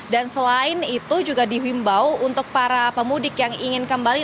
dan selain itu juga dihimbau untuk para pemudik yang ingin kembali